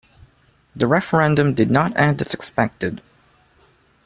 The referendum did not end as expected.